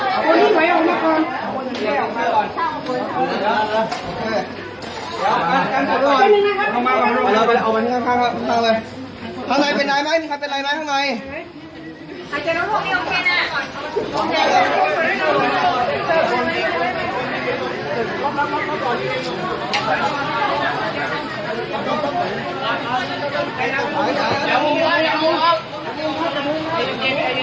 ข้างในเป็นไงไหมมีใครเป็นไงไหมข้างใน